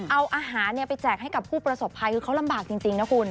เอาอาหารไปแจกให้กับผู้ประสบภัยคือเขาลำบากจริงนะคุณ